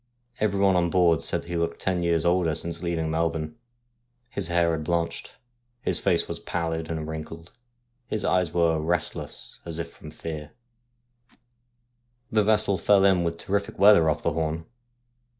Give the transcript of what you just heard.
Everyone on board said that he looked ten years older since leaving Melbourne. His hair had blanched, his face was pallid and wrinkled, his eyes were restless as if from fear. A GHOST FROM THE SEA 171 The vessel fell in with terrific weather off the Horn.